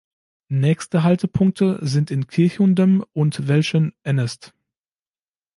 Nächste Haltepunkte sind in Kirchhundem und Welschen Ennest.